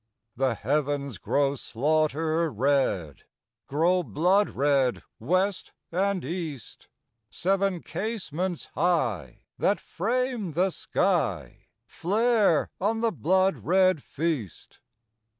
The heav'ns grow slaughter red, Grow blood red west and east; Seven casements high that frame the sky Flare on the blood red feast.